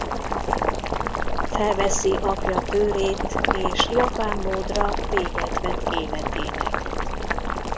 Felveszi apja tőrét és japán módra véget vet életének.